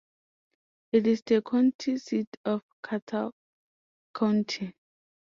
It is the county seat of Catawba County.